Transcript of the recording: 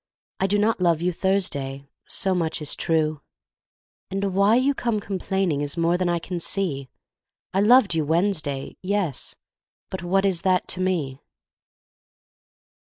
I do not love you Thursday So much is true. And why you come complaining Is more than I can see. I loved you Wednesday, yes but what Is that to me?